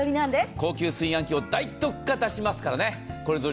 高級炊飯器を大特価出しますからね。